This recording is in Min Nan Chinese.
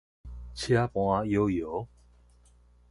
車搬搖搖